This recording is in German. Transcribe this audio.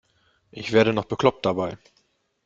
Ich werde noch bekloppt dabei.